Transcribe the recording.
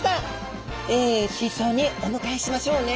え水槽にお迎えしましょうね。